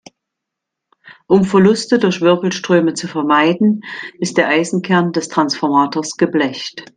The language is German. Um Verluste durch Wirbelströme zu vermeiden, ist der Eisenkern des Transformators geblecht.